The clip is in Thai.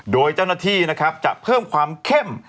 โดยเจ้าหน้าที่จะเพิ่มความเข้ม